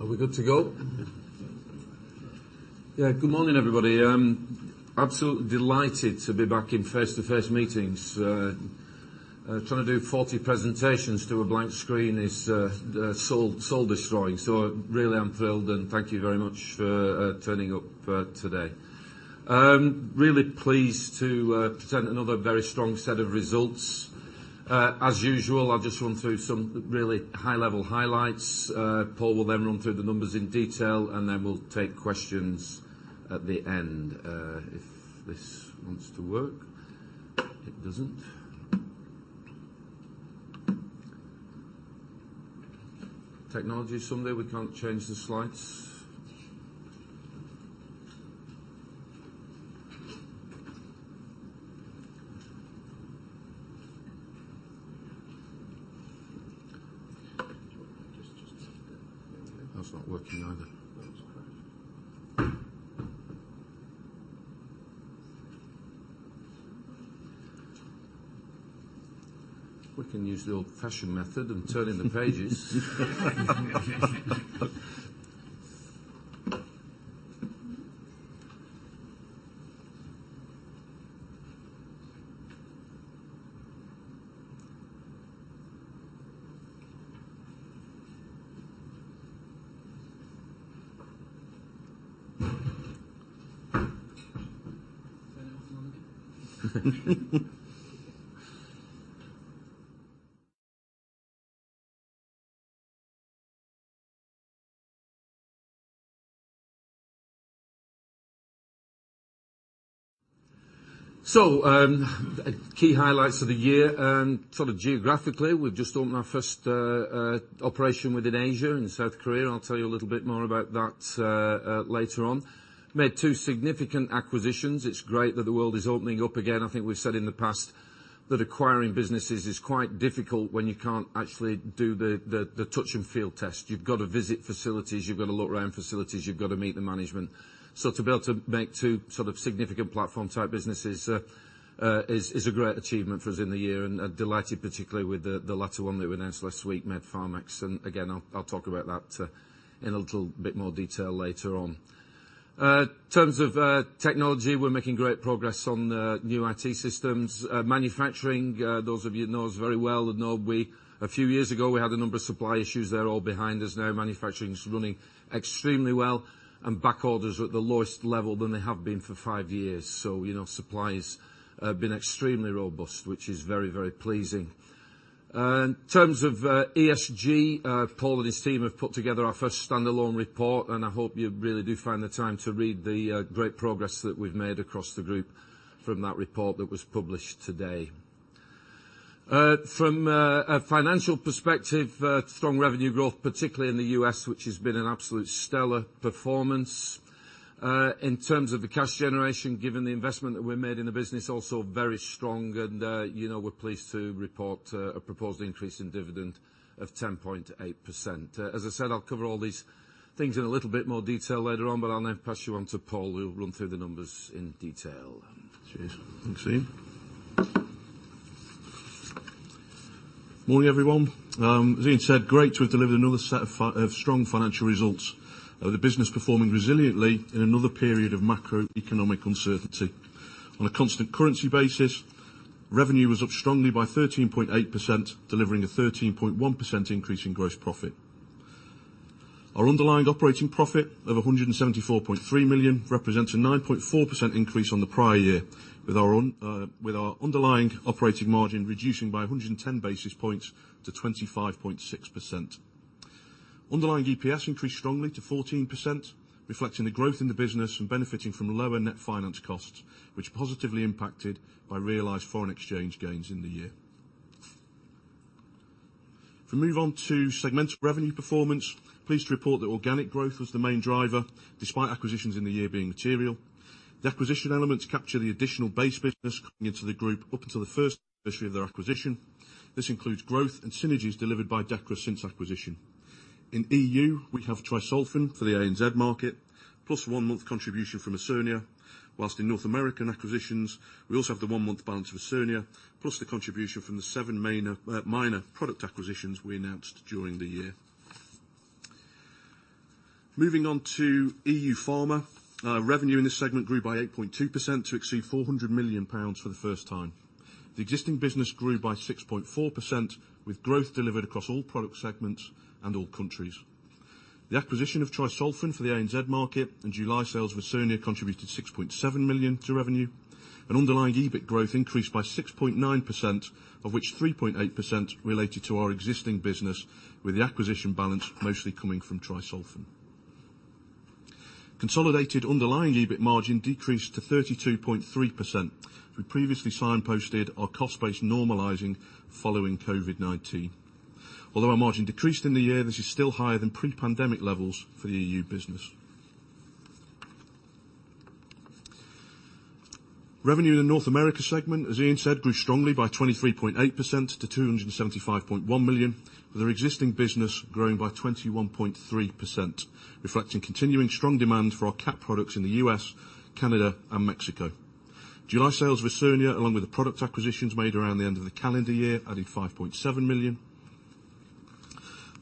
Are we good to go? Yeah, good morning, everybody. I'm absolutely delighted to be back in face-to-face meetings. Trying to do 40 presentations to a blank screen is soul destroying. Really, I'm thrilled, and thank you very much for turning up today. Really pleased to present another very strong set of results. As usual, I'll just run through some really high-level highlights. Paul will then run through the numbers in detail, and then we'll take questions at the end. If this wants to work. It doesn't. Technology someday, we can't change the slides. Just. That's not working either. That was crashed. We can use the old-fashioned method of turning the pages. Fair enough. Key highlights of the year. Sort of geographically, we've just opened our first operation within Asia and South Korea. I'll tell you a little bit more about that later on. Made two significant acquisitions. It's great that the world is opening up again. I think we've said in the past that acquiring businesses is quite difficult when you can't actually do the touch and feel test. You've got to visit facilities, you've got to look around facilities, you've got to meet the management. To be able to make two sort of significant platform-type businesses is a great achievement for us in the year, and delighted, particularly with the latter one that we announced last week, Med-Pharmex. Again, I'll talk about that in a little bit more detail later on. In terms of technology, we're making great progress on the new IT systems. Manufacturing, those of you know us very well would know a few years ago, we had a number of supply issues. They're all behind us now. Manufacturing is running extremely well, and back orders are at the lowest level than they have been for five years. You know, supplies have been extremely robust, which is very, very pleasing. In terms of ESG, Paul and his team have put together our first standalone report, and I hope you really do find the time to read the great progress that we've made across the group from that report that was published today. From a financial perspective, strong revenue growth, particularly in the U.S., which has been an absolute stellar performance. In terms of the cash generation, given the investment that we made in the business, also very strong and, you know, we're pleased to report a proposed increase in dividend of 10.8%. As I said, I'll cover all these things in a little bit more detail later on, but I'll now pass you on to Paul, who will run through the numbers in detail. Cheers. Thanks, Ian. Morning, everyone. As Ian said, great to have delivered another set of strong financial results of the business performing resiliently in another period of macroeconomic uncertainty. On a constant currency basis, revenue was up strongly by 13.8%, delivering a 13.1% increase in gross profit. Our underlying operating profit of 174.3 million represents a 9.4% increase on the prior year with our underlying operating margin reducing by 110 basis points to 25.6%. Underlying EPS increased strongly to 14%, reflecting the growth in the business and benefiting from lower net finance costs, which positively impacted by realized foreign exchange gains in the year. If we move on to segmental revenue performance, pleased to report that organic growth was the main driver despite acquisitions in the year being material. The acquisition elements capture the additional base business coming into the group up until the first anniversary of their acquisition. This includes growth and synergies delivered by Dechra since acquisition. In E.U., we have Tri-Solfen for the ANZ market, +1 month contribution from Osurnia. While in North American acquisitions, we also have the one-month balance from Osurnia, plus the contribution from the seven main, minor product acquisitions we announced during the year. Moving on to E.U. Pharma. Revenue in this segment grew by 8.2% to exceed 400 million pounds for the first time. The existing business grew by 6.4%, with growth delivered across all product segments and all countries. The acquisition of Tri-Solfen for the ANZ market and July sales of Osurnia contributed 6.7 million to revenue, and underlying EBIT growth increased by 6.9%, of which 3.8% related to our existing business, with the acquisition balance mostly coming from Tri-Solfen. Consolidated underlying EBIT margin decreased to 32.3%. We previously signposted our cost base normalizing following COVID-19. Although our margin decreased in the year, this is still higher than pre-pandemic levels for the E.U. business. Revenue in the North America segment, as Ian said, grew strongly by 23.8% to 275.1 million, with our existing business growing by 21.3%, reflecting continuing strong demand for our cat products in the US, Canada, and Mexico. July sales of Osurnia, along with the product acquisitions made around the end of the calendar year, added 5.7 million.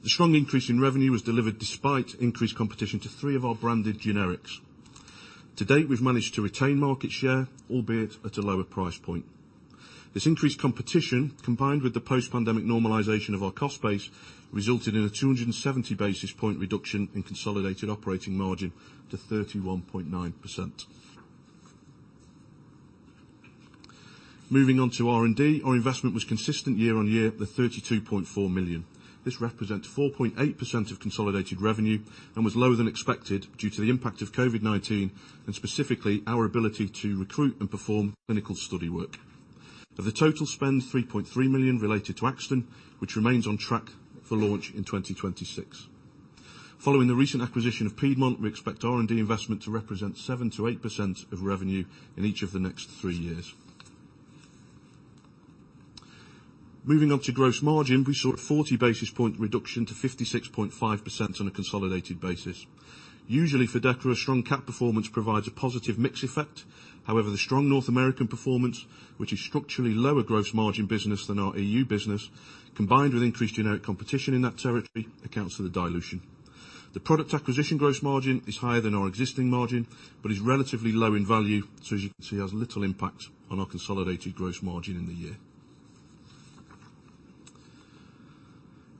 The strong increase in revenue was delivered despite increased competition to three of our branded generics. To date, we've managed to retain market share, albeit at a lower price point. This increased competition, combined with the post-pandemic normalization of our cost base, resulted in a 270 basis point reduction in consolidated operating margin to 31.9%. Moving on to R&D. Our investment was consistent year-on-year at 32.4 million. This represents 4.8% of consolidated revenue, and was lower than expected due to the impact of COVID-19, and specifically our ability to recruit and perform clinical study work. Of the total spend, 3.3 million related to Akston, which remains on track for launch in 2026. Following the recent acquisition of Piedmont, we expect R&D investment to represent 7%-8% of revenue in each of the next three years. Moving on to gross margin. We saw a 40 basis point reduction to 56.5% on a consolidated basis. Usually for Dechra, strong cat performance provides a positive mix effect. However, the strong North American performance, which is structurally lower gross margin business than our E.U. business, combined with increased generic competition in that territory, accounts for the dilution. The product acquisition gross margin is higher than our existing margin, but is relatively low in value, so as you can see, has little impact on our consolidated gross margin in the year.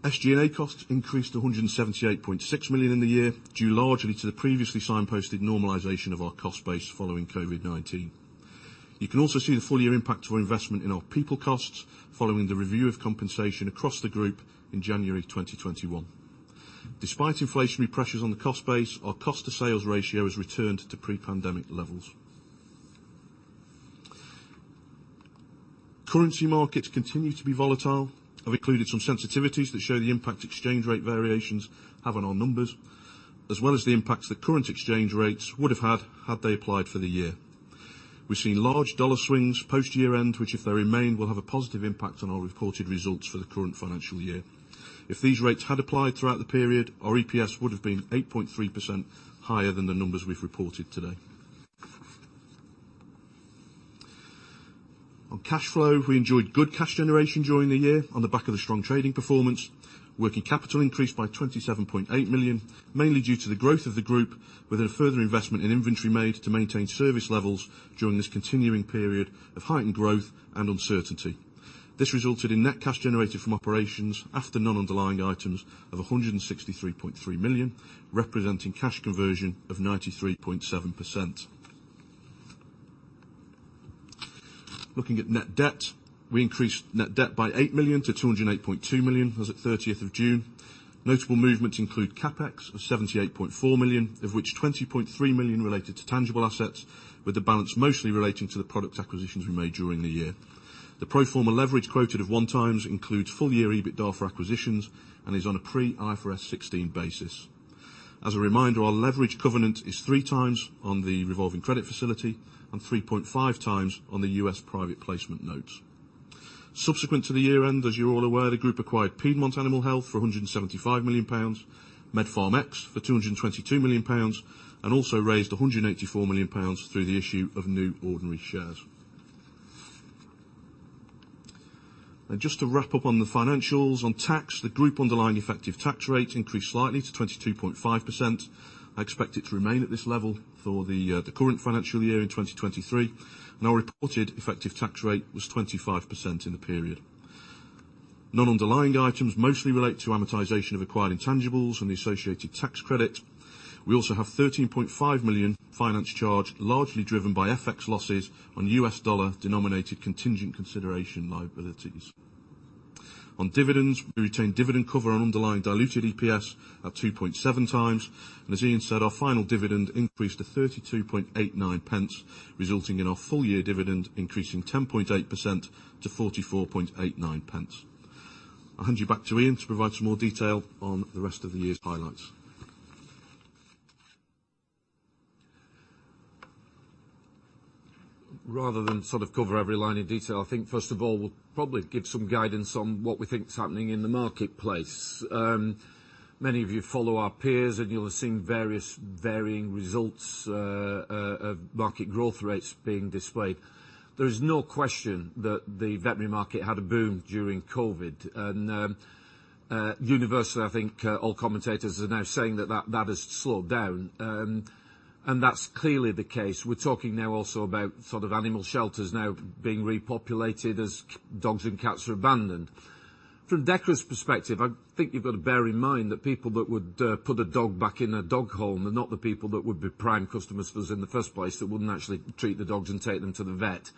SG&A costs increased to 178.6 million in the year, due largely to the previously signposted normalization of our cost base following COVID-19. You can also see the full year impact of our investment in our people costs following the review of compensation across the group in January 2021. Despite inflationary pressures on the cost base, our cost to sales ratio has returned to pre-pandemic levels. Currency markets continue to be volatile. I've included some sensitivities that show the impact exchange rate variations have on our numbers, as well as the impacts that current exchange rates would have had they applied for the year. We've seen large dollar swings post-year-end, which if they remain, will have a positive impact on our reported results for the current financial year. If these rates had applied throughout the period, our EPS would have been 8.3% higher than the numbers we've reported today. On cash flow, we enjoyed good cash generation during the year on the back of the strong trading performance. Working capital increased by 27.8 million, mainly due to the growth of the group, with a further investment in inventory made to maintain service levels during this continuing period of heightened growth and uncertainty. This resulted in net cash generated from operations after non-underlying items of 163.3 million, representing cash conversion of 93.7%. Looking at net debt. We increased net debt by 8 million-208.2 million as at of June 30th. Notable movements include CapEx of 78.4 million, of which 20.3 million related to tangible assets, with the balance mostly relating to the product acquisitions we made during the year. The pro forma leverage quoted of 1x includes full year EBITDA for acquisitions and is on a pre-IFRS 16 basis. As a reminder, our leverage covenant is 3x on the revolving credit facility and 3.5x on the U.S. private placement note. Subsequent to the year end, as you're all aware, the group acquired Piedmont Animal Health for 175 million pounds, Med-Pharmex for 222 million pounds, and also raised 184 million pounds through the issue of new ordinary shares. Just to wrap up on the financials. On tax, the group underlying effective tax rate increased slightly to 22.5%. I expect it to remain at this level for the current financial year in 2023. Our reported effective tax rate was 25% in the period. Non-underlying items mostly relate to amortization of acquired intangibles and the associated tax credit. We also have 13.5 million finance charge, largely driven by FX losses on U.S. dollar-denominated contingent consideration liabilities. On dividends, we retained dividend cover on underlying diluted EPS at 2.7x. As Ian said, our final dividend increased to 32.89 pence, resulting in our full year dividend increasing 10.8% to 44.89 pence. I'll hand you back to Ian to provide some more detail on the rest of the year's highlights. Rather than sort of cover every line in detail, I think first of all we'll probably give some guidance on what we think is happening in the marketplace. Many of you follow our peers, and you'll have seen various varying results of market growth rates being displayed. There is no question that the veterinary market had a boom during COVID. Universally, I think all commentators are now saying that that has slowed down. That's clearly the case. We're talking now also about sort of animal shelters now being repopulated as dogs and cats are abandoned. From Dechra's perspective, I think you've got to bear in mind that people that would put a dog back in a dog home, they're not the people that would be prime customers for us in the first place. They wouldn't actually treat the dogs and take them to the vet.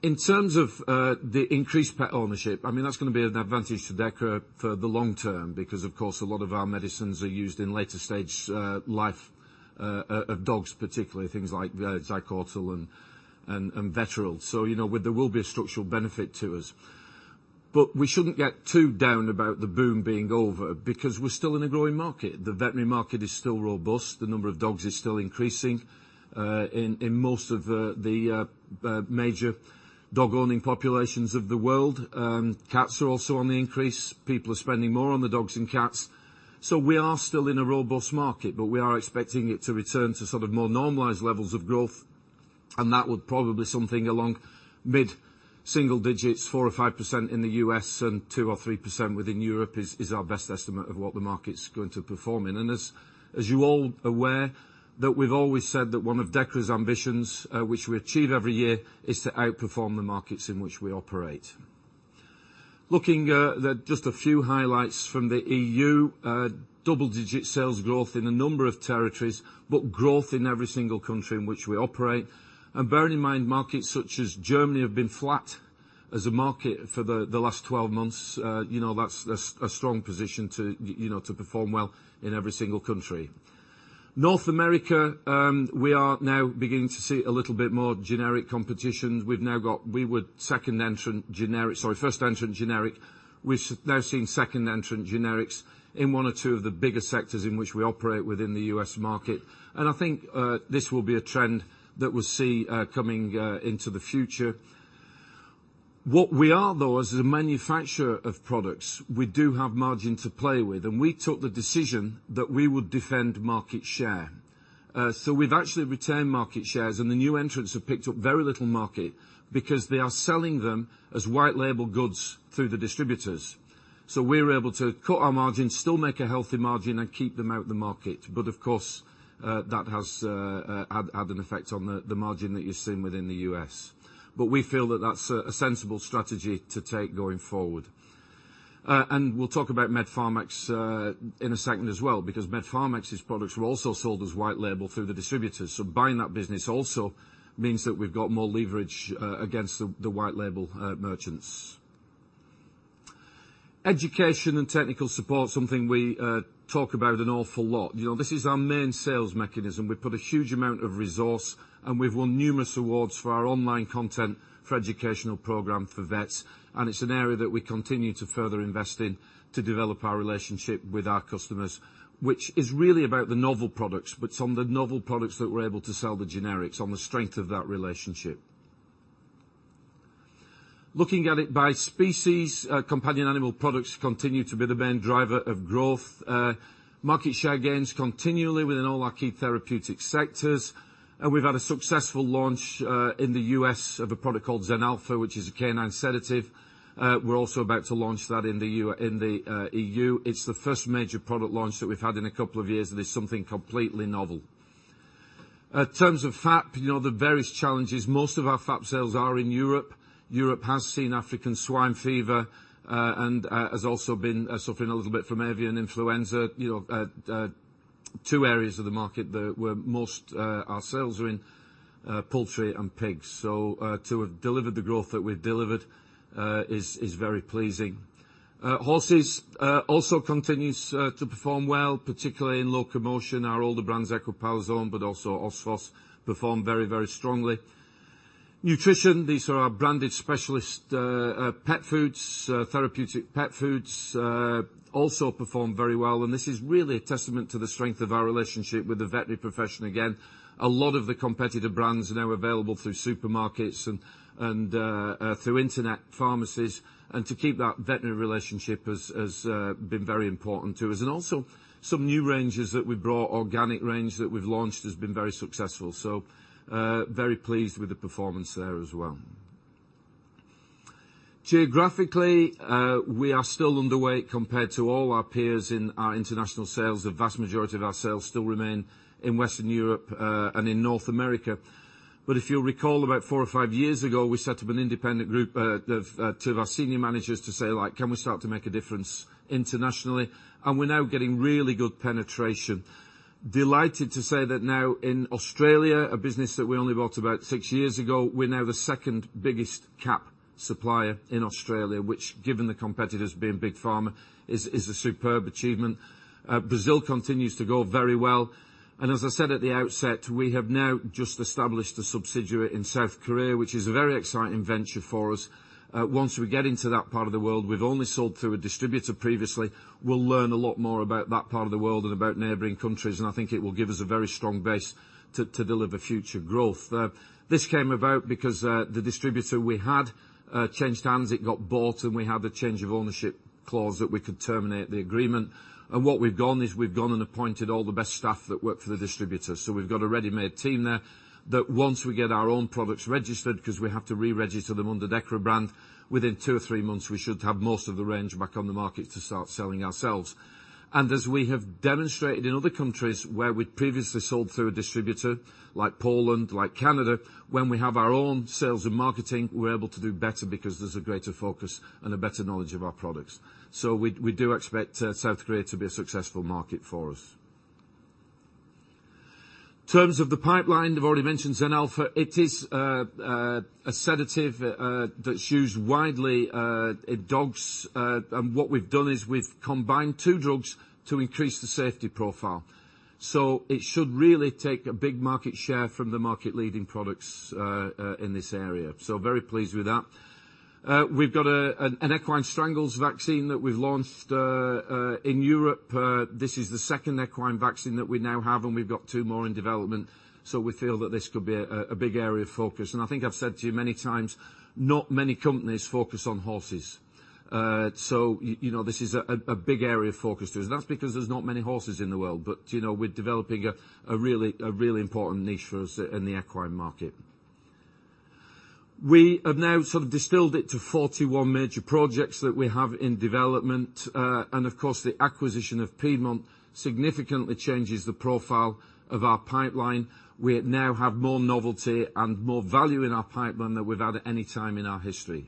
In terms of the increased pet ownership, I mean, that's gonna be an advantage to Dechra for the long term because, of course, a lot of our medicines are used in later stage life of dogs particularly, things like Zycortal and Vetoryl. You know, there will be a structural benefit to us. We shouldn't get too down about the boom being over, because we're still in a growing market. The veterinary market is still robust. The number of dogs is still increasing in most of the major dog-owning populations of the world. Cats are also on the increase. People are spending more on the dogs and cats. We are still in a robust market, but we are expecting it to return to sort of more normalized levels of growth and that would probably something along mid-single digits, 4%-5% in the U.S. and 2%-3% within Europe is our best estimate of what the market's going to perform in. As you're all aware, that we've always said that one of Dechra's ambitions, which we achieve every year, is to outperform the markets in which we operate. Looking at just a few highlights from the EU, double-digit sales growth in a number of territories, but growth in every single country in which we operate. Bearing in mind, markets such as Germany have been flat as a market for the last 12 months. You know, that's a strong position to, you know, to perform well in every single country. North America, we are now beginning to see a little bit more generic competition. We've now got first-entrant generic. We've now seen second-entrant generics in one or two of the bigger sectors in which we operate within the U.S. market. I think this will be a trend that we'll see coming into the future. What we are though, as a manufacturer of products, we do have margin to play with, and we took the decision that we would defend market share. So we've actually retained market shares, and the new entrants have picked up very little market because they are selling them as white label goods through the distributors. We're able to cut our margins, still make a healthy margin, and keep them out of the market. Of course, that has had an effect on the margin that you're seeing within the US. We feel that that's a sensible strategy to take going forward. We'll talk about Med-Pharmex in a second as well, because Med-Pharmex's products were also sold as white label through the distributors. Buying that business also means that we've got more leverage against the white label merchants. Education and technical support is something we talk about an awful lot. You know, this is our main sales mechanism. We put a huge amount of resource, and we've won numerous awards for our online content for educational program for vets, and it's an area that we continue to further invest in to develop our relationship with our customers, which is really about the novel products. It's on the novel products that we're able to sell the generics, on the strength of that relationship. Looking at it by species, companion animal products continue to be the main driver of growth. Market share gains continually within all our key therapeutic sectors. We've had a successful launch in the U.S. of a product called Zenalpha, which is a canine sedative. We're also about to launch that in the E.U. It's the first major product launch that we've had in a couple of years, and it's something completely novel. In terms of FAP, you know the various challenges. Most of our FAP sales are in Europe. Europe has seen African swine fever, and has also been suffering a little bit from avian influenza. You know, two areas of the market that, where most our sales are in, poultry and pigs. To have delivered the growth that we've delivered is very pleasing. Horses also continues to perform well, particularly in locomotion. Our older brands, Equipalazone, but also Osphos, perform very, very strongly. Nutrition, these are our branded specialist pet foods, therapeutic pet foods, also perform very well. This is really a testament to the strength of our relationship with the veterinary profession again. A lot of the competitor brands are now available through supermarkets and through internet pharmacies. To keep that veterinary relationship has been very important to us. Also some new ranges that we've brought, organic range that we've launched has been very successful. Very pleased with the performance there as well. Geographically, we are still underweight compared to all our peers in our international sales. The vast majority of our sales still remain in Western Europe and in North America. If you'll recall, about four or five years ago, we set up an independent group of two of our senior managers to say, like, "Can we start to make a difference internationally?" We're now getting really good penetration. Delighted to say that now in Australia, a business that we only bought about six years ago, we're now the second-biggest CAP supplier in Australia, which, given the competitors being big pharma, is a superb achievement. Brazil continues to go very well. As I said at the outset, we have now just established a subsidiary in South Korea, which is a very exciting venture for us. Once we get into that part of the world, we've only sold through a distributor previously. We'll learn a lot more about that part of the world and about neighboring countries, and I think it will give us a very strong base to deliver future growth. This came about because the distributor we had changed hands. It got bought, and we had a change of ownership clause that we could terminate the agreement. What we've done is we've gone and appointed all the best staff that worked for the distributor. We've got a ready-made team there that once we get our own products registered, because we have to re-register them under Dechra brand, within two or three months, we should have most of the range back on the market to start selling ourselves. As we have demonstrated in other countries where we'd previously sold through a distributor, like Poland, like Canada, when we have our own sales and marketing, we're able to do better because there's a greater focus and a better knowledge of our products. We do expect South Korea to be a successful market for us. In terms of the pipeline, I've already mentioned Zenalpha. It is a sedative that's used widely in dogs. What we've done is we've combined two drugs to increase the safety profile. It should really take a big market share from the market-leading products in this area. Very pleased with that. We've got an equine strangles vaccine that we've launched in Europe. This is the second equine vaccine that we now have, and we've got two more in development, so we feel that this could be a big area of focus. I think I've said to you many times, not many companies focus on horses. You know, this is a big area of focus to us, and that's because there's not many horses in the world. You know, we're developing a really important niche for us in the equine market. We have now sort of distilled it to 41 major projects that we have in development. Of course, the acquisition of Piedmont significantly changes the profile of our pipeline. We now have more novelty and more value in our pipeline than we've had at any time in our history.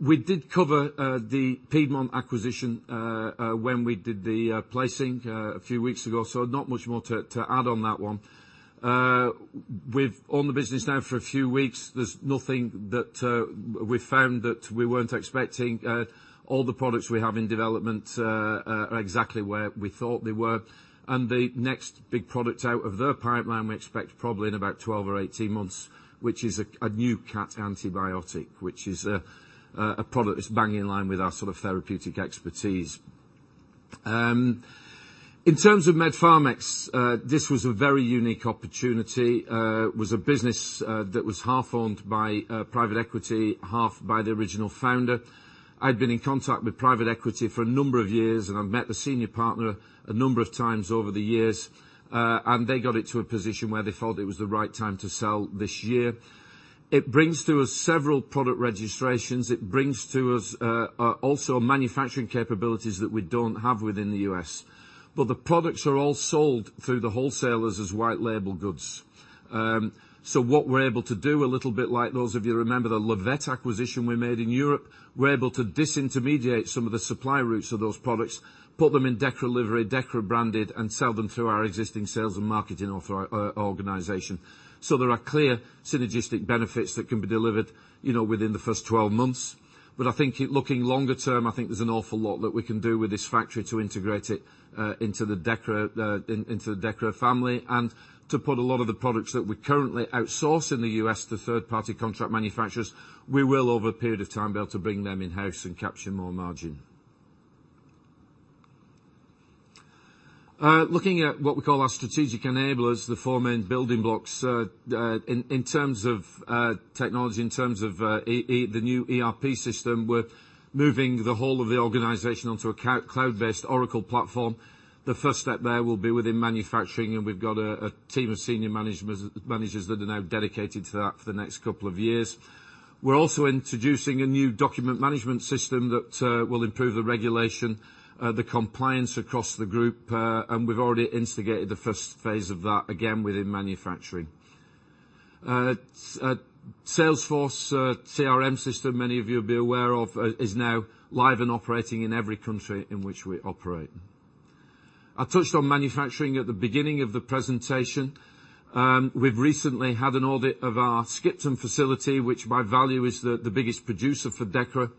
We did cover the Piedmont acquisition when we did the placing a few weeks ago, so not much more to add on that one. We've owned the business now for a few weeks. There's nothing that we've found that we weren't expecting. All the products we have in development are exactly where we thought they were. The next big product out of their pipeline, we expect probably in about 12 or 18 months, which is a new cat antibiotic, which is a product that's bang in line with our sort of therapeutic expertise. In terms of Med-Pharmex, this was a very unique opportunity. It was a business that was half owned by private equity, half by the original founder. I'd been in contact with private equity for a number of years, and I've met the senior partner a number of times over the years. They got it to a position where they felt it was the right time to sell this year. It brings to us several product registrations. It brings to us also manufacturing capabilities that we don't have within the U.S. But the products are all sold through the wholesalers as white label goods. What we're able to do, a little bit like those of you remember the Le Vet acquisition we made in Europe, we're able to disintermediate some of the supply routes of those products, put them in Dechra livery, Dechra branded, and sell them through our existing sales and marketing organization. There are clear synergistic benefits that can be delivered, you know, within the first 12 months. I think looking longer term, I think there's an awful lot that we can do with this factory to integrate it into the Dechra family, and to put a lot of the products that we currently outsource in the U.S. to third-party contract manufacturers. We will, over a period of time, be able to bring them in-house and capture more margin. Looking at what we call our strategic enablers, the four main building blocks, in terms of technology, in terms of the new ERP system, we're moving the whole of the organization onto a cloud-based Oracle platform. The first step there will be within manufacturing, and we've got a team of senior managers that are now dedicated to that for the next couple of years. We're also introducing a new document management system that will improve the regulation, the compliance across the group, and we've already instigated the first phase of that, again, within manufacturing. Salesforce CRM system, many of you will be aware of, is now live and operating in every country in which we operate. I touched on manufacturing at the beginning of the presentation. We've recently had an audit of our Skipton facility, which by value is the biggest producer for Dechra,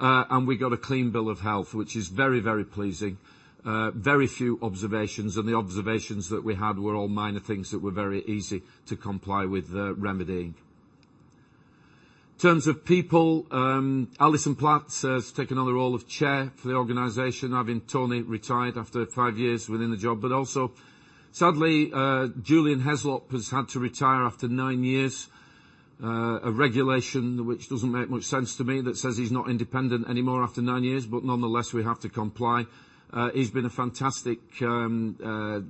and we got a clean bill of health, which is very, very pleasing. Very few observations, and the observations that we had were all minor things that were very easy to comply with remedying. In terms of people, Alison Platt has taken on the role of Chair for the organization, having Tony retired after five years within the job. Also, sadly, Julian Heslop has had to retire after nine years. A regulation which doesn't make much sense to me that says he's not independent anymore after nine years, but nonetheless, we have to comply. He's been a fantastic mentor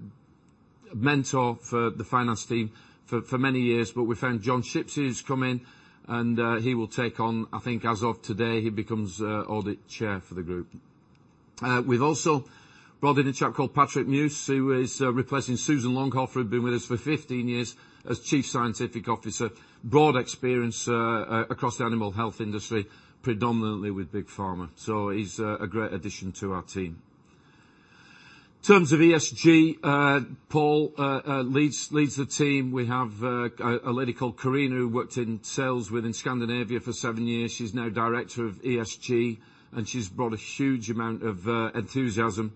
for the finance team for many years. We found John Shipsey who's come in and he will take on, I think as of today, he becomes Audit Chair for the group. We've also brought in a chap called Patrick Meeus who is replacing Susan Longhofer, who'd been with us for 15 years as Chief Scientific Officer. Broad experience across the animal health industry, predominantly with big pharma. He's a great addition to our team. In terms of ESG, Paul leads the team. We have a lady called Karina, who worked in sales within Scandinavia for seven years. She's now Director of ESG, and she's brought a huge amount of enthusiasm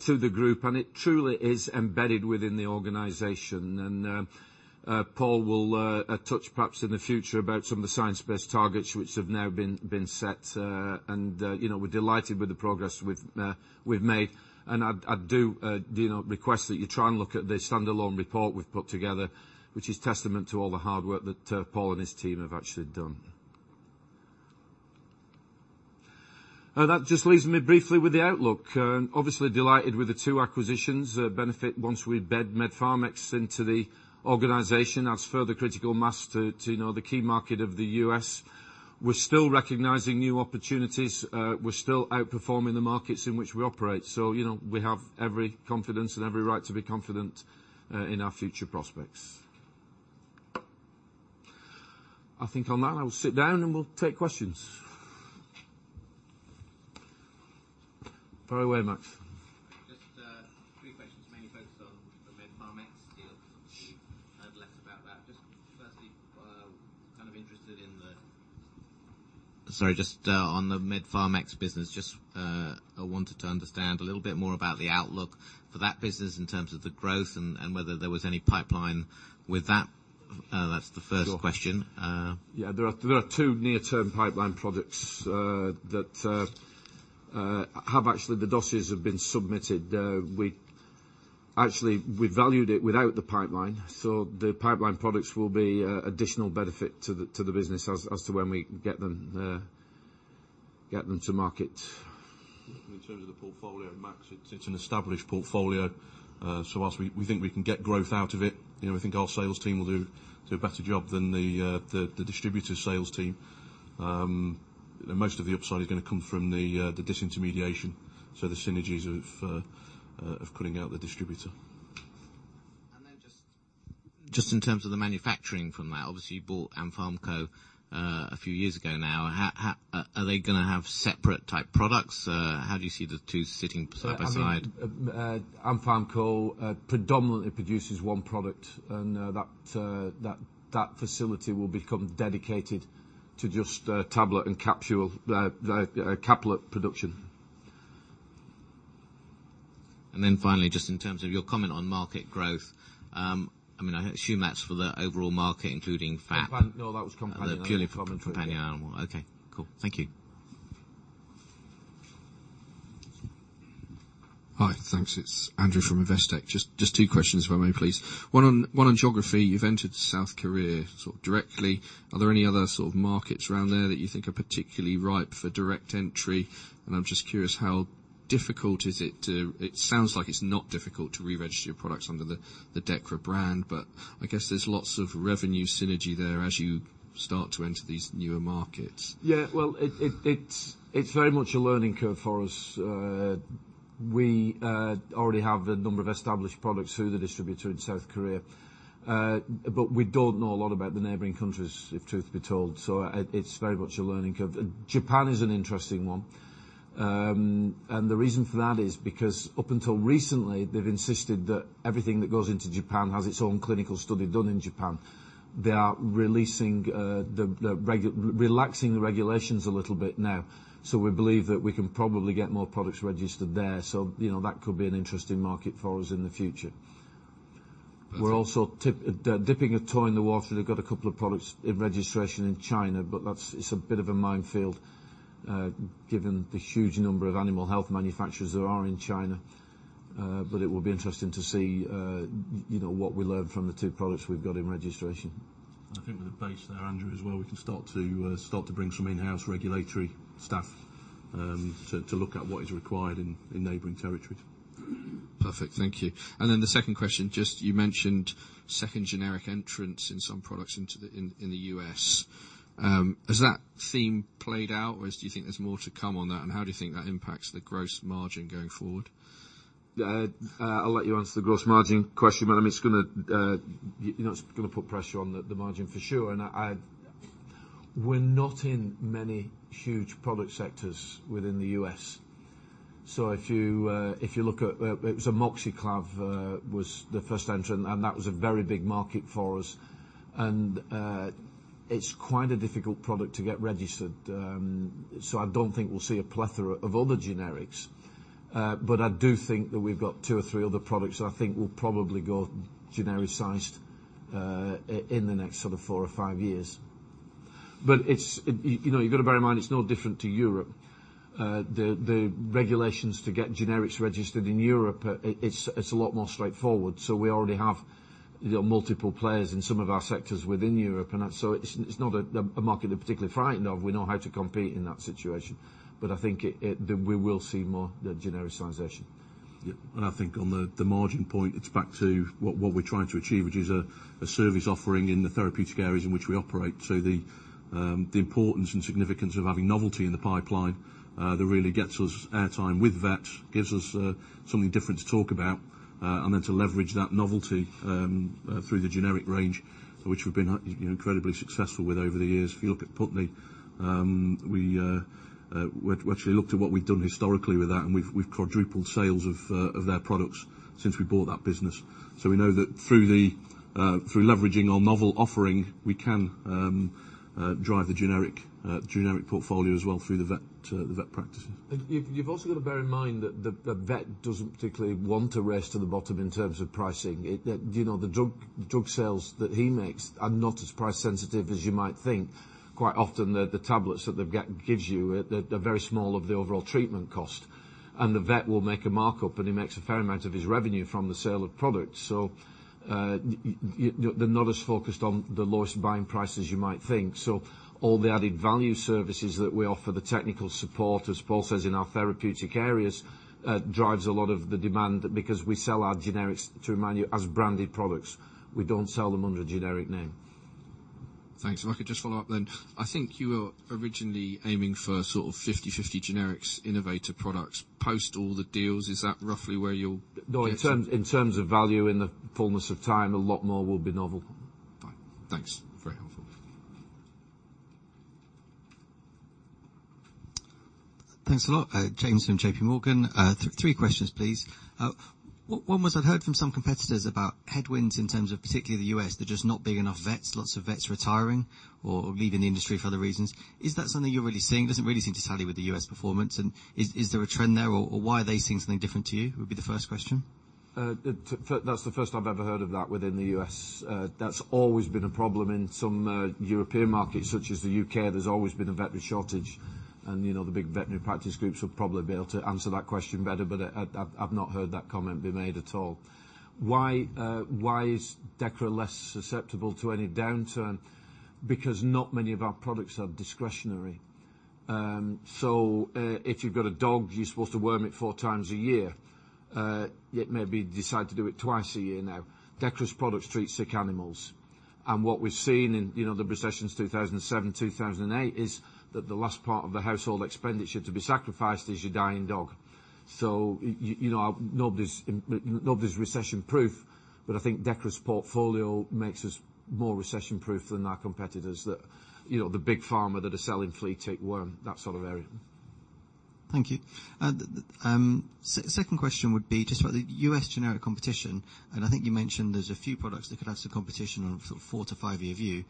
to the group, and it truly is embedded within the organization. Paul will touch perhaps in the future about some of the science-based targets which have now been set. You know, we're delighted with the progress we've made. I request that you try and look at the standalone report we've put together, which is testament to all the hard work that Paul and his team have actually done. That just leaves me briefly with the outlook. Obviously delighted with the two acquisitions that benefit once we bed Med-Pharmex into the organization. That's further critical mass to own the key market of the US. We're still recognizing new opportunities. We're still outperforming the markets in which we operate. You know, we have every confidence and every right to be confident in our future prospects. I think on that, I will sit down and we'll take questions. Fire away, Max. Just three questions, mainly focused on the Med-Pharmex deal. We've heard less about that. Just firstly, on the Med-Pharmex business, just I wanted to understand a little bit more about the outlook for that business in terms of the growth and whether there was any pipeline with that. That's the first question. Yeah, there are two near-term pipeline products that have actually the dossiers have been submitted. Actually, we valued it without the pipeline, so the pipeline products will be additional benefit to the business as to when we get them to market. In terms of the portfolio at Max, it's an established portfolio. While we think we can get growth out of it, you know, we think our sales team will do a better job than the distributor sales team. Most of the upside is gonna come from the disintermediation, so the synergies of cutting out the distributor. Just in terms of the manufacturing from that, obviously, you bought Ampharmco a few years ago now. How are they gonna have separate type products? How do you see the two sitting side by side? I mean, Ampharmco predominantly produces one product and that facility will become dedicated to just tablet and capsule, the caplet production. Finally, just in terms of your comment on market growth, I mean, I assume that's for the overall market, including FAP. No, that was. Purely for companion animal. Okay. Cool. Thank you. Hi. Thanks. It's Andrew from Investec. Just two questions if I may, please. One on geography. You've entered South Korea sort of directly. Are there any other sort of markets around there that you think are particularly ripe for direct entry? And I'm just curious how difficult is it to reregister your products under the Dechra brand, but I guess there's lots of revenue synergy there as you start to enter these newer markets. It's very much a learning curve for us. We already have a number of established products through the distributor in South Korea. We don't know a lot about the neighboring countries, if truth be told. It's very much a learning curve. Japan is an interesting one. The reason for that is because up until recently, they've insisted that everything that goes into Japan has its own clinical study done in Japan. They are relaxing the regulations a little bit now, so we believe that we can probably get more products registered there. You know, that could be an interesting market for us in the future. Perfect. We're also dipping a toe in the water. We've got a couple of products in registration in China, but that's, it's a bit of a minefield, given the huge number of animal health manufacturers there are in China. It will be interesting to see, you know, what we learn from the two products we've got in registration. I think with the base there, Andrew, as well, we can start to bring some in-house regulatory staff to look at what is required in neighboring territories. Perfect. Thank you. The second question, just you mentioned second generic entrants in some products into the U.S. Has that theme played out, or do you think there's more to come on that, and how do you think that impacts the gross margin going forward? I'll let you answer the gross margin question, but I mean, it's gonna, you know, put pressure on the margin for sure. We're not in many huge product sectors within the U.S., so if you look at, it was Amoxiclav was the first entrant, and that was a very big market for us. It's quite a difficult product to get registered. So I don't think we'll see a plethora of other generics. But I do think that we've got two or three other products that I think will probably go genericized in the next sort of four or five years. But it's, you know, you've got to bear in mind, it's no different to Europe. The regulations to get generics registered in Europe, it's a lot more straightforward, so we already have, you know, multiple players in some of our sectors within Europe. It's not a market we're particularly frightened of. We know how to compete in that situation, but I think that we will see more genericization. Yeah. I think on the margin point, it's back to what we're trying to achieve, which is a service offering in the therapeutic areas in which we operate. The importance and significance of having novelty in the pipeline that really gets us air time with vets, gives us something different to talk about, and then to leverage that novelty through the generic range, which we've been, you know, incredibly successful with over the years. If you look at Putney, we actually looked at what we've done historically with that, and we've quadrupled sales of their products since we bought that business. We know that through leveraging our novel offering, we can drive the generic portfolio as well through the vet practices. You've also got to bear in mind that the vet doesn't particularly want to race to the bottom in terms of pricing. You know, the drug sales that he makes are not as price sensitive as you might think. Quite often, the tablets that they've got gives you a very small of the overall treatment cost. The vet will make a markup, and he makes a fair amount of his revenue from the sale of product. They're not as focused on the lowest buying price as you might think. All the added value services that we offer, the technical support, as Paul says, in our therapeutic areas, drives a lot of the demand because we sell our generics, to remind you, as branded products. We don't sell them under a generic name. Thanks. If I could just follow up then. I think you were originally aiming for sort of 50/50 generics, innovative products. Post all the deals, is that roughly where you're getting? No, in terms of value in the fullness of time, a lot more will be novel. Fine. Thanks. Very helpful. Thanks a lot. James from JP Morgan. Three questions, please. One was I'd heard from some competitors about headwinds in terms of particularly the US. There just not being enough vets, lots of vets retiring or leaving the industry for other reasons. Is that something you're really seeing? Doesn't really seem to tally with the U.S. performance. Is there a trend there or why are they seeing something different to you? Would be the first question. That's the first I've ever heard of that within the US. That's always been a problem in some European markets such as the U.K.. There's always been a veterinarian shortage and, you know, the big veterinary practice groups will probably be able to answer that question better, but I've not heard that comment be made at all. Why is Dechra less susceptible to any downturn? Because not many of our products are discretionary. So, if you've got a dog, you're supposed to worm it 4x a year. You maybe decide to do it twice a year now. Dechra's products treat sick animals, and what we've seen in, you know, the recessions, 2007, 2008, is that the last part of the household expenditure to be sacrificed is your dying dog. You know, nobody's recession-proof, but I think Dechra's portfolio makes us more recession-proof than our competitors that, you know, the Big Pharma that are selling flea tick worm, that sort of area. The second question would be just about the U.S. generic competition. I think you mentioned there's a few products that could have some competition on a sort of four-five-year view.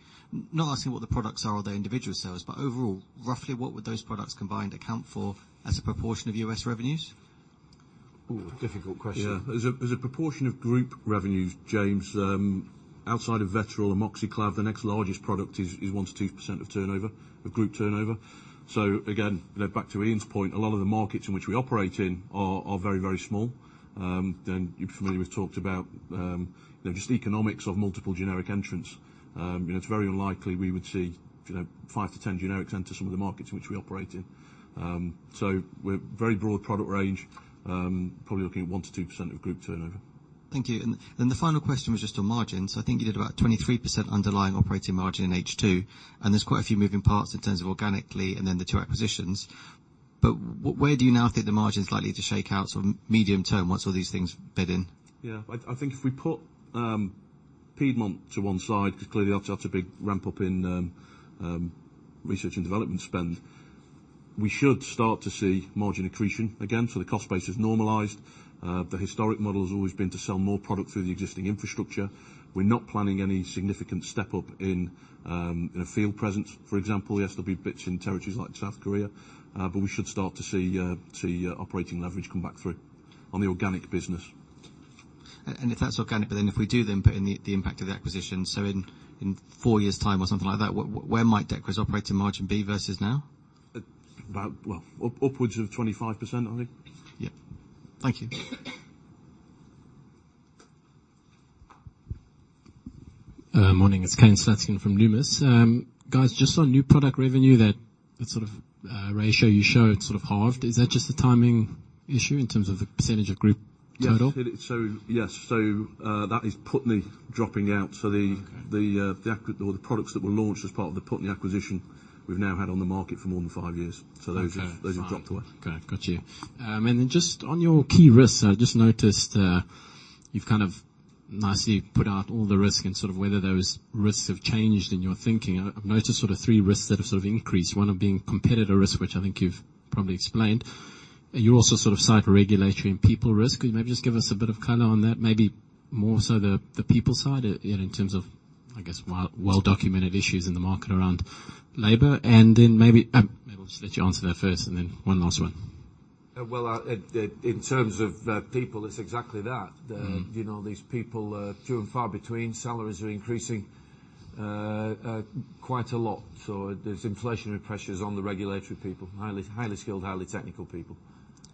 Not asking what the products are or their individual sales, but overall, roughly what would those products combined account for as a proportion of U.S. revenues? Ooh, difficult question. Yeah. As a proportion of group revenues, James, outside of Vetoryl and Amoxiclav, the next largest product is 1%-2% of turnover, of group turnover. Again, back to Ian's point, a lot of the markets in which we operate are very, very small. You'll be familiar. We've talked about, you know, just economics of multiple generic entrants. You know, it's very unlikely we would see, you know, 5-10 generics enter some of the markets in which we operate in. We're very broad product range, probably looking at 1%-2% of group turnover. Thank you. The final question was just on margins. I think you did about 23% underlying operating margin in H2, and there's quite a few moving parts in terms of organically and then the two acquisitions. Where do you now think the margin is likely to shake out sort of medium term once all these things bed in? Yeah. I think if we put Piedmont to one side, 'cause clearly that's a big ramp-up in research and development spend. We should start to see margin accretion. Again, the cost base is normalized. The historic model has always been to sell more product through the existing infrastructure. We're not planning any significant step-up in, you know, field presence, for example. Yes, there'll be bits in territories like South Korea, we should start to see operating leverage come back through on the organic business. If that's organic, but then if we do then put in the impact of the acquisition, so in four years' time or something like that, where might Dechra's operating margin be versus now? Well, upwards of 25%, I think. Yeah. Thank you. Morning. It's Kane Slutsky from Numis. Guys, just on new product revenue, that sort of ratio you showed sort of halved. Is that just a timing issue in terms of the percentage of group total? Yes. That is Putney dropping out. Okay. The products that were launched as part of the Putney acquisition, we've now had on the market for more than five years. Okay. Those have dropped away. Got it. Got you. Just on your key risks, I just noticed you've kind of nicely put out all the risks and sort of whether those risks have changed in your thinking. I've noticed sort of three risks that have sort of increased, one of being competitor risk, which I think you've probably explained. You also sort of cite regulatory and people risk. Can you maybe just give us a bit of color on that, maybe more so the people side, you know, in terms of, I guess, well-documented issues in the market around labor? Maybe I'll just let you answer that first and then one last one. Well, in terms of people, it's exactly that. Mm-hmm. They, you know, these people are few and far between. Salaries are increasing quite a lot. There's inflationary pressures on the regulatory people, highly skilled, highly technical people.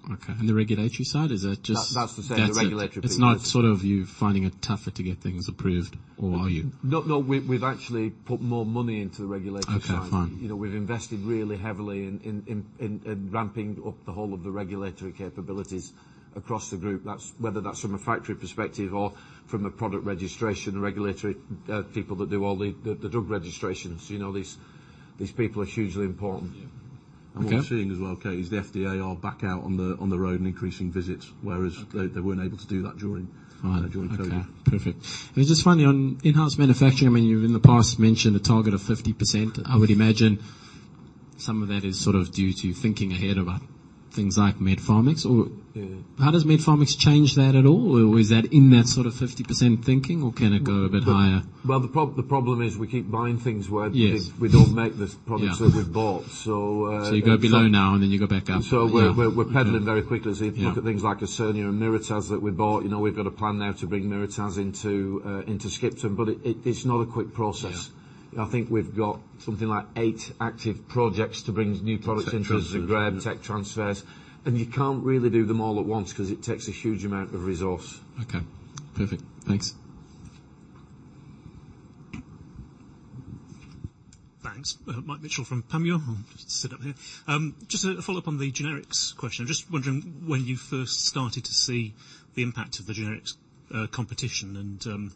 Okay. The regulatory side, is that just? That's the same. The regulatory people. That's it. It's not sort of you finding it tougher to get things approved, or are you? No, no. We've actually put more money into the regulatory side. Okay, fine. You know, we've invested really heavily in ramping up the whole of the regulatory capabilities across the group. That's whether that's from a factory perspective or from a product registration, regulatory people that do all the drug registrations. You know, these people are hugely important. Yeah. Okay. What we're seeing as well, Kane, is the FDA are back out on the road and increasing visits, whereas. Okay. They weren't able to do that during. Fine. during COVID. Okay. Perfect. Just finally on enhanced manufacturing, I mean, you've in the past mentioned a target of 50%. I would imagine some of that is sort of due to thinking ahead about things like Med-Pharmex, or. Yeah. How does Med-Pharmex change that at all? Or is that in that sort of 50% thinking, or can it go a bit higher? Well, the problem is we keep buying things where Yes. We don't make the products that we've bought. Yeah. So, uh. You go below now, and then you go back up. We're peddling very quickly. Yeah. If you look at things like Osurnia and Mirataz that we bought, you know, we've got a plan now to bring Mirataz into Skipton, but it's not a quick process. Yeah. I think we've got something like eight active projects to bring new products into the group. Tech transfers. Tech transfers. You can't really do them all at once because it takes a huge amount of resource. Okay. Perfect. Thanks. Thanks. Mike Mitchell from Panmure. I'll just sit up here. Just a follow-up on the generics question. I'm just wondering when you first started to see the impact of the generics competition and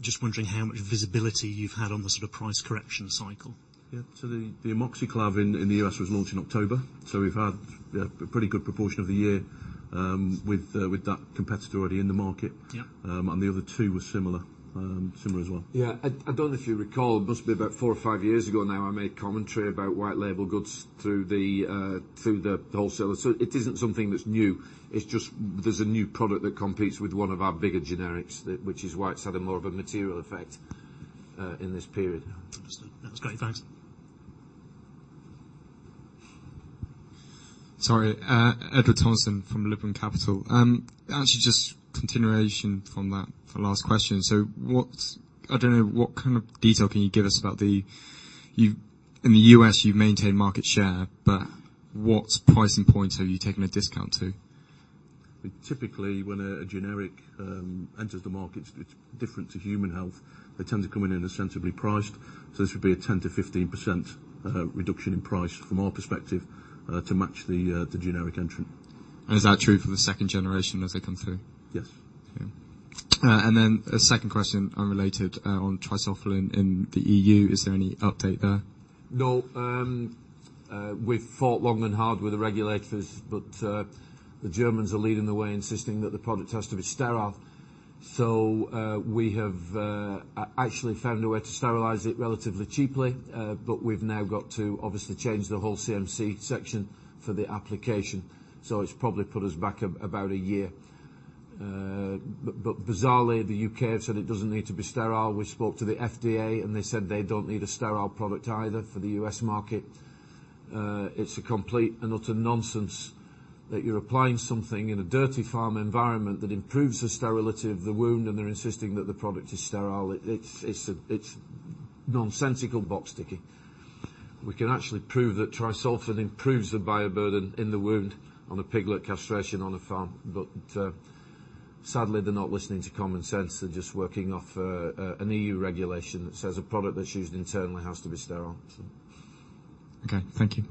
just wondering how much visibility you've had on the sort of price correction cycle. The Amoxiclav in the U.S. was launched in October, so we've had a pretty good proportion of the year with that competitor already in the market. Yeah. The other two were similar as well. Yeah. I don't know if you recall, it must be about four or five years ago now, I made commentary about white label goods through the wholesaler. It isn't something that's new. It's just there's a new product that competes with one of our bigger generics, which is why it's had a more of a material effect in this period. Understood. That was great. Thanks. Edward Thomason from Liberum Capital. Actually just continuation from that, the last question. I don't know what kind of detail can you give us about you in the US, you maintain market share, but what pricing points are you taking a discount to? Typically, when a generic enters the market, it's different to human health. They tend to come in aggressively priced, so this would be a 10%-15% reduction in price from our perspective to match the generic entrant. Is that true for the second generation as they come through? Yes. A second question, unrelated, on Tri-Solfen in the EU. Is there any update there? No. We've fought long and hard with the regulators, but the Germans are leading the way, insisting that the product has to be sterile. We've actually found a way to sterilize it relatively cheaply, but we've now got to obviously change the whole CMC section for the application. It's probably put us back about a year. Bizarrely, the U.K. have said it doesn't need to be sterile. We spoke to the FDA, and they said they don't need a sterile product either for the U.S. market. It's a complete and utter nonsense that you're applying something in a dirty farm environment that improves the sterility of the wound, and they're insisting that the product is sterile. It's nonsensical box ticking. We can actually prove that Tri-Solfen improves the bioburden in the wound on a piglet castration on a farm. Sadly, they're not listening to common sense. They're just working off an E.U. Regulation that says a product that's used internally has to be sterile. Okay. Thank you.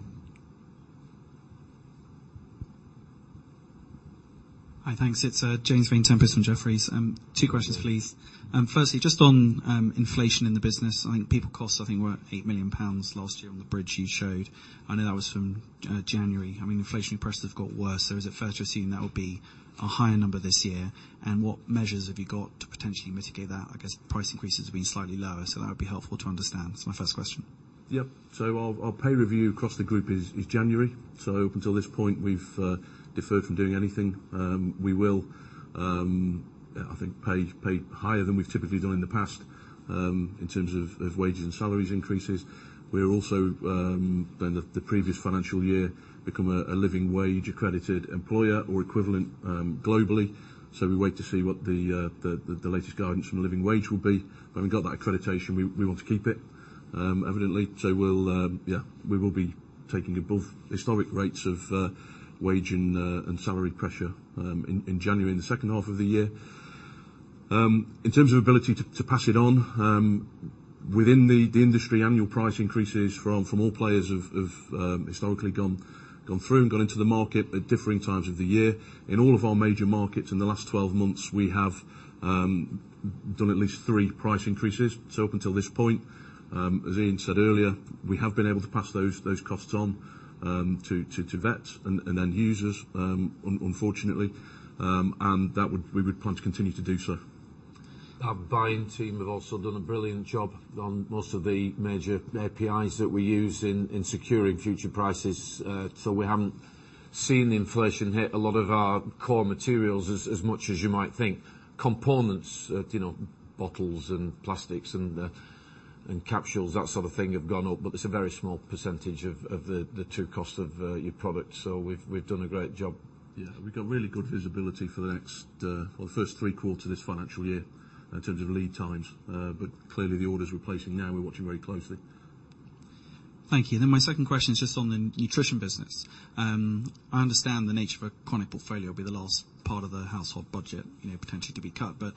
Hi. Thanks. It's James Vane-Tempest from Jefferies. two questions, please. Firstly, just on inflation in the business, I think people costs, I think, were 8 million pounds last year on the bridge you showed. I know that was from January. I mean, inflationary pressures have got worse. Is it fair to assume that will be a higher number this year? And what measures have you got to potentially mitigate that? I guess price increases have been slightly lower, so that would be helpful to understand. That's my first question. Yeah. Our pay review across the group is January. Up until this point we've deferred from doing anything. We will pay higher than we've typically done in the past in terms of wages and salaries increases. We're also in the previous financial year become a living wage accredited employer or equivalent globally. We wait to see what the latest guidance from living wage will be. We got that accreditation; we want to keep it evidently. We'll yeah, we will be taking above historic rates of wage and salary pressure in January and the second half of the year. In terms of ability to pass it on, within the industry, annual price increases from all players have historically gone through and gone into the market at differing times of the year. In all of our major markets in the last 12 months we have done at least three price increases. Up until this point, as Ian said earlier, we have been able to pass those costs on to vets and end users, unfortunately, and we would plan to continue to do so. Our buying team have also done a brilliant job on most of the major APIs that we use in securing future prices. So, we haven't seen inflation hit a lot of our core materials as much as you might think. Components, you know, bottles and plastics and capsules, that sort of thing have gone up, but it's a very small percentage of the true cost of your product. We've done a great job. Yeah. We've got really good visibility for the next or the first three quarters of this financial year in terms of lead times. Clearly the orders we're placing now, we're watching very closely. Thank you. My second question is just on the nutrition business. I understand the nature of a chronic portfolio will be the last part of the household budget, you know, potentially to be cut. But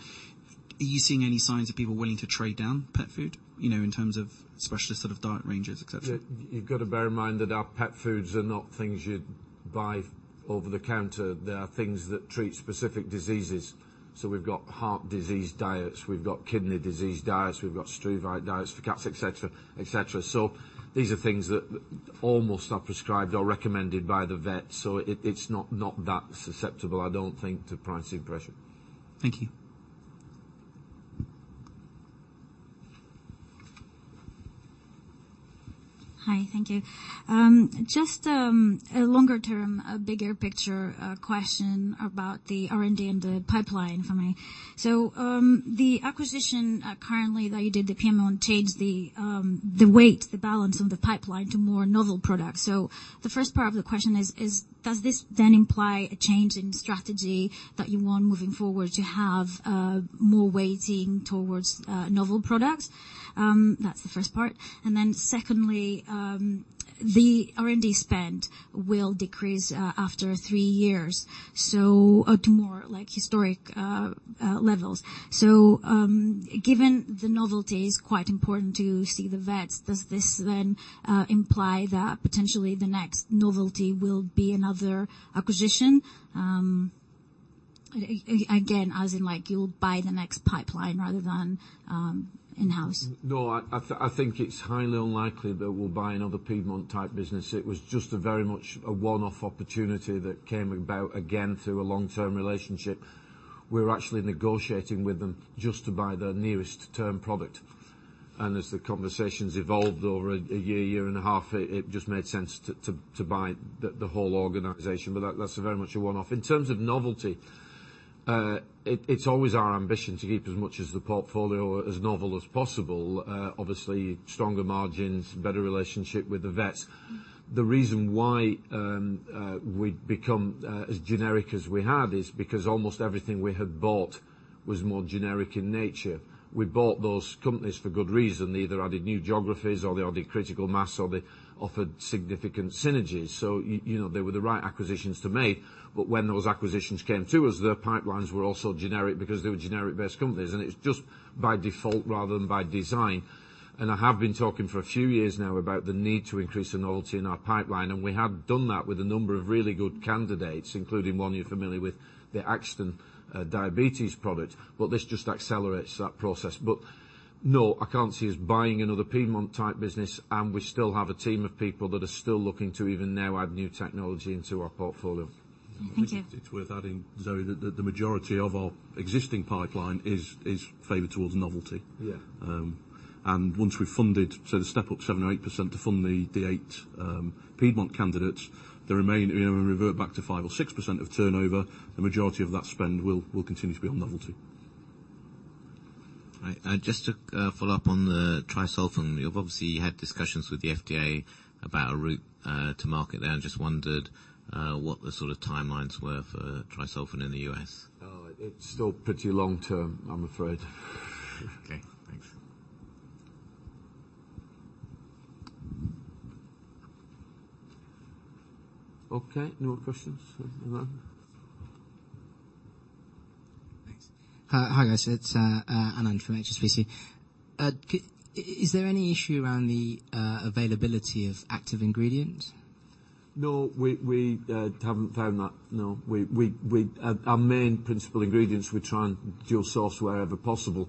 are you seeing any signs of people willing to trade down pet food, you know, in terms of specialist sort of diet ranges, et cetera? You've got to bear in mind that our pet foods are not things you'd buy over the counter. They are things that treat specific diseases. We've got heart disease diets, we've got kidney disease diets, we've got struvite diets for cats, et cetera, et cetera. These are things that almost are prescribed or recommended by the vet. It's not that susceptible, I don't think, to pricing pressure. Thank you. Hi. Thank you. Just a longer term, a bigger picture question about the R&D and the pipeline for me. The acquisition currently that you did, the Piedmont changed the weight, the balance of the pipeline to more novel products. The first part of the question is, does this then imply a change in strategy that you want moving forward to have more weighting towards novel products? That's the first part. And then secondly, the R&D spend will decrease after three years, so up to more like historic levels. Given the novelty is quite important to vets, does this then imply that potentially the next novelty will be another acquisition? Again, as in like you'll buy the next pipeline rather than in-house. No, I think it's highly unlikely that we'll buy another Piedmont type business. It was just a very much a one-off opportunity that came about, again, through a long-term relationship. We were actually negotiating with them just to buy their nearest term product. As the conversations evolved over a year and a half, it just made sense to buy the whole organization. That's a very much a one-off. In terms of novelty. It's always our ambition to keep as much as the portfolio as novel as possible. Obviously stronger margins, better relationship with the vets. The reason why we've become as generic as we have is because almost everything we have bought was more generic in nature. We bought those companies for good reason, either they added new geographies or they added critical mass or they offered significant synergies. You know, they were the right acquisitions to make. When those acquisitions came to us, their pipelines were also generic because they were generic-based companies. It's just by default rather than by design. I have been talking for a few years now about the need to increase novelty in our pipeline, and we have done that with a number of really good candidates, including one you're familiar with, the Akston diabetes product. This just accelerates that process. No, I can't see us buying another Piedmont-type business, and we still have a team of people that are still looking to even now add new technology into our portfolio. Thank you. It's worth adding, Zoe, the majority of our existing pipeline is favored towards novelty. Yeah. Once we funded, the step up 7% or 8% to fund the eight Piedmont candidates, the remaining, you know, revert back to 5% or 6% of turnover, the majority of that spend will continue to be on novelty. All right. Just to follow up on the Tri-Solfen. You've obviously had discussions with the FDA about a route to market there. I just wondered what the sort of timelines were for Tri-Solfen in the U.S. Oh, it's still pretty long-term, I'm afraid. Okay, thanks. Okay, no more questions? Anyone? Thanks. Hi, guys. It's Anand from HSBC. Is there any issue around the availability of active ingredient? No, we haven't found that, no. Our main principal ingredients, we try and dual source wherever possible.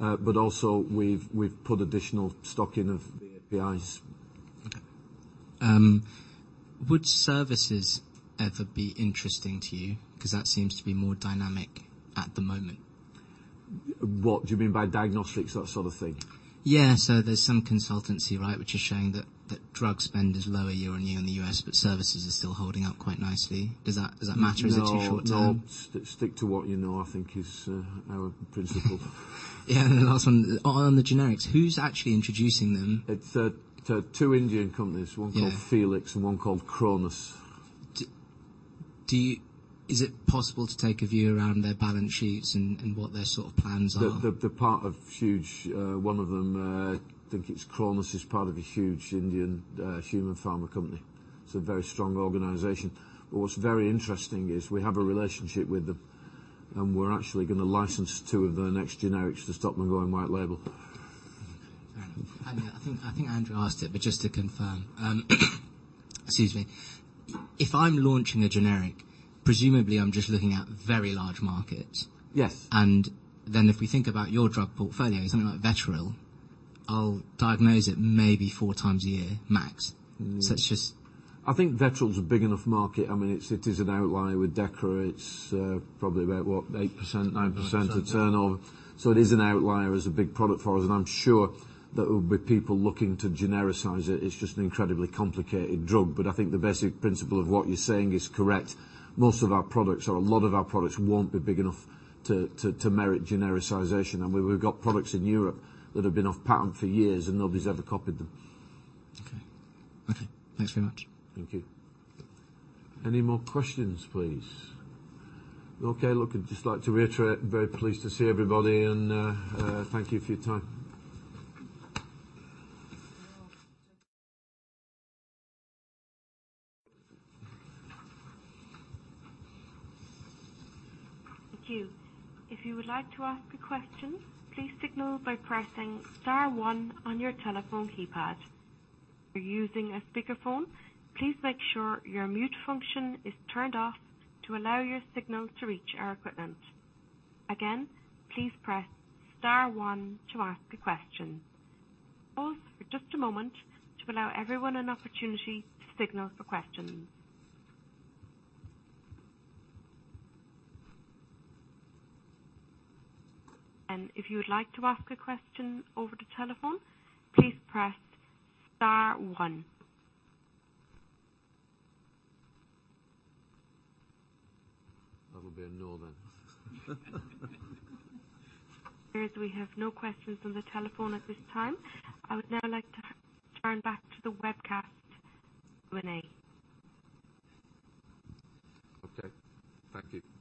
But also we've put additional stocking of the APIs. Okay. Would services ever be interesting to you? 'Cause that seems to be more dynamic at the moment. What do you mean by diagnostics, that sort of thing? Yeah. There's some consultancy, right, which is showing that drug spend is lower year-on-year in the U.S., but services are still holding up quite nicely. Does that matter or is it too short term? No, no. Stick to what you know, I think is our principle. Yeah. The last one. On the generics, who's actually introducing them? It's two Indian companies. Yeah. One called Felix and one called Cronus. Is it possible to take a view around their balance sheets and what their sort of plans are? They're part of a huge one of them. I think it's Cronus is part of a huge Indian human pharma company. It's a very strong organization. What's very interesting is we have a relationship with them, and we're actually gonna license two of their next generics to stop them going white label. Okay. Fair enough. I think Andrew asked it, but just to confirm. Excuse me. If I'm launching a generic, presumably I'm just looking at very large markets. Yes. If we think about your drug portfolio, something like Vetoryl, I'll diagnose it maybe 4x a year max. Mm-hmm. So it's just- I think Vetoryl's a big enough market. I mean, it is an outlier. With Dechra, it's probably about, what, 8%, 9% of turnover. 9%. It is an outlier as a big product for us, and I'm sure that there will be people looking to genericize it. It's just an incredibly complicated drug. I think the basic principle of what you're saying is correct. Most of our products or a lot of our products won't be big enough to merit genericization. I mean, we've got products in Europe that have been off patent for years and nobody's ever copied them. Okay. Okay, thanks very much. Thank you. Any more questions, please? Okay. Look, I'd just like to reiterate, very pleased to see everybody and, thank you for your time. Thank you. If you would like to ask a question, please signal by pressing star one on your telephone keypad. If you're using a speakerphone, please make sure your mute function is turned off to allow your signal to reach our equipment. Again, please press star one to ask a question. Pause for just a moment to allow everyone an opportunity to signal for questions. If you would like to ask a question over the telephone, please press star one. That'll be a no then. It appears we have no questions on the telephone at this time. I would now like to turn back to the webcast Q&A. Okay, thank you.